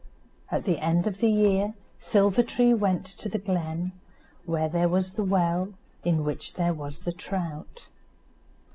At the end of the year, Silver tree went to the glen, where there was the well, in which there was the trout.